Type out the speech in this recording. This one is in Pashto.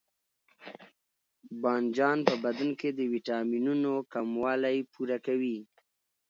بانجان په بدن کې د ویټامینونو کموالی پوره کوي.